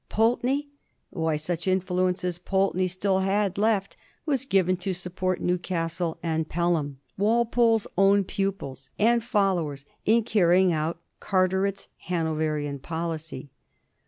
Pulteney? Why, such influence as Pulteney still had left was given to support Newcastle and Pelham, Walpole's own pupils and followers, in carrying out Carteret's Hanoverian policy.